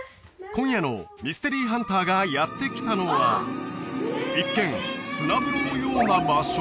今夜のミステリーハンターがやって来たのは一見砂風呂のような場所？